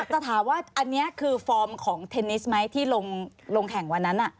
แต่ถามว่าอันนี้คือฟอร์มของเทนนิสไหมที่ลงแข่งวันนั้น